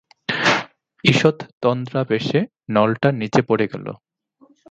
ঈষৎ তন্দ্রাবেশে নলটা নীচে পড়ে গেল।